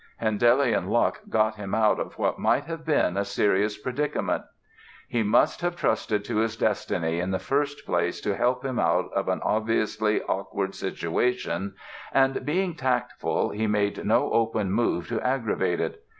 Handelian luck got him out of what might have been a serious predicament. He must have trusted to his destiny in the first place to help him out of an obviously awkward situation and, being tactful, he made no open move to aggravate it.